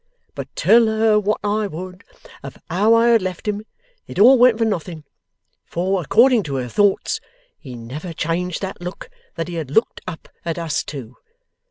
But tell her what I would of how I had left him, it all went for nothing, for, according to her thoughts, he never changed that look that he had looked up at us two.